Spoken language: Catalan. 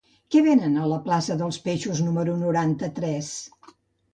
Què venen a la plaça dels Peixos número noranta-tres?